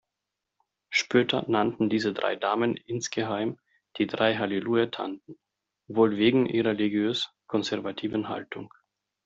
Spötter nannten diese drei Damen insgeheim „die drei Hallelujah-Tanten“, wohl wegen ihrer religiös-konservativen Haltung.